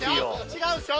違うでしょ？